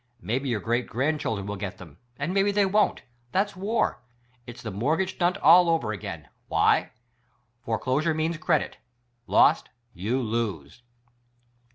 Maybe your great grandchildren will get them; and, maybe they won't! That's WAR! It's the mortgage stunt all over again! Why? Foreclosure means credit; lost — you lose.